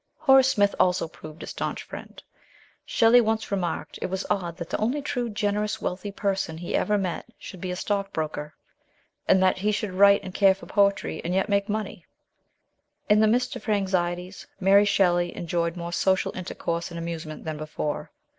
Horace Smith also proved a staunch friend : Shelley once remarked it was odd that the only truly generous wealthy person he ever met should be a stockbroker, and that he should write and care for poetry, and yet make money. In the midst of her anxieties, Mary Shelley enjoyed more social intercourse and amuse ment than before.